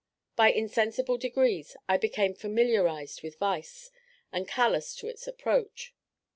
By insensible degrees, I became familiarised with vice, and callous to its approach.